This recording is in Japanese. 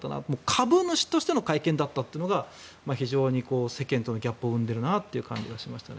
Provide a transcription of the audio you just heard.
株主としての会見だったというのが非常に世間とのギャップを生んでいる感じがしました。